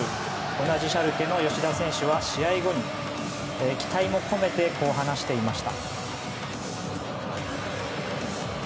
同じシャルケの吉田選手は試合後に、期待も込めてこう話していました。